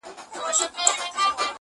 له بېلتونه پنا وړي د جانان غېږ ته ,